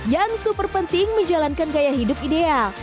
yang super penting menjalankan gaya hidup ideal